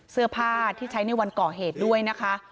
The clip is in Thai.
เสื้อผ้าที่ใช้ในวันก่อเหตุด้วยนะคะ